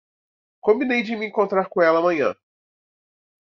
Combinei de me encontrar com ela amanhã